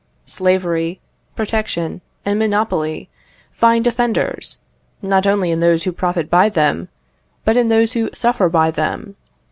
Slavery, protection, and monopoly find defenders, not only in those who profit by them, but in those who suffer by them.